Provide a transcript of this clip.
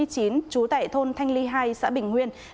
trú tại thôn thanh ly hai xã bình nguyên